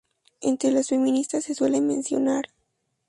entre las feministas se suele mencionar